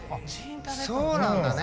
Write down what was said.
そうなんだね。